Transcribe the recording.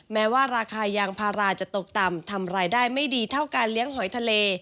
แม้ว่าราคายางพาราจะตกต่ำทำรายได้ไม่ดีเท่าการเลี้ยงหอยทะเล